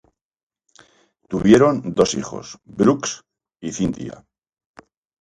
Tuvieron dos hijos, Brooks y Cynthia.